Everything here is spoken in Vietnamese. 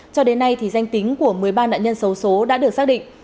cho đến nay danh tính của một mươi ba nạn nhân xấu số đã được sử dụng